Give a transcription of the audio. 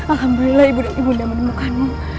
alhamdulillah ibu dan ibu nama demukanmu